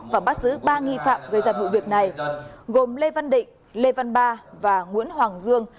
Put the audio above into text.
và bắt giữ ba nghi phạm gây ra vụ việc này gồm lê văn định lê văn ba và nguyễn hoàng dương